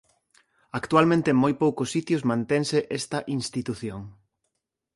Actualmente en moi poucos sitios mantense esta institución.